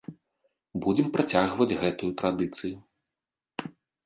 Будзем працягваць гэтую традыцыю.